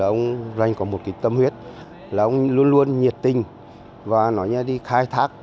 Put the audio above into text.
là ông rành có một cái tâm huyết là ông luôn luôn nhiệt tình và nói như là đi khai thác